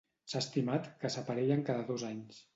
S'ha estimat que s'aparellen cada dos anys.